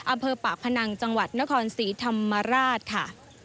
อำเภอปากพนังจังหวัดนครศรีธรรมราชค่ะ